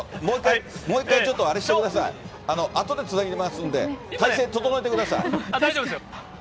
もう一回ちょっとあれしてください、あとでつなぎますんで、大丈夫ですよ。